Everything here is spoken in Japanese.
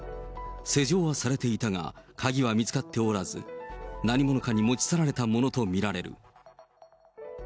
施錠はされていたが、鍵は見つかっておらず、何者かに持ち去られたものと見られる。